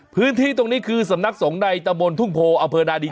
พื้นที่ตรงนี้คือสำนักส่งได่ตรรมนธุ่งโพศอเพโนดี